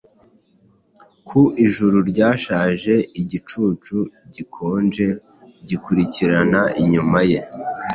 Ku ijuru ryashaje Igicucu gikonje gikurikira inyuma ye